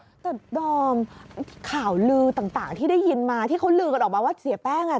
แต่ดอมข่าวลือต่างที่ได้ยินมาที่เขาลือกันออกมาว่าเสียแป้งอ่ะ